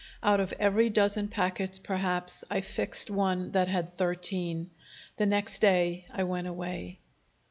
Out of every dozen packets, perhaps, I fixed one that had thirteen. The next day I went away.